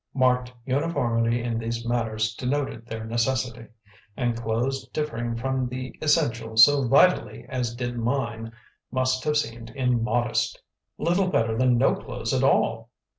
Marked uniformity in these matters denoted their necessity; and clothes differing from the essential so vitally as did mine must have seemed immodest, little better than no clothes at all.